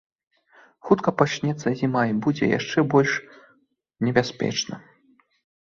Хутка пачнецца зіма, і будзе яшчэ больш небяспечна.